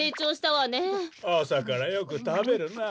あさからよくたべるなあ。